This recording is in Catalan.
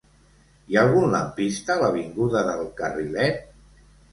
Hi ha algun lampista a l'avinguda del Carrilet?